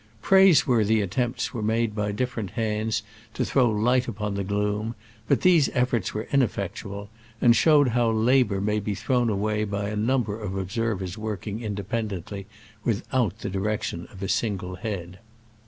Praiseworthy attempts were made by different hands to throw light upon the gloom, but these efforts were ineffectual, and showed how labor may be thrown away by a number of obser vers working independently without the direction of a single head.